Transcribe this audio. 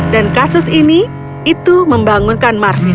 dan kasus ini membangunkan marvin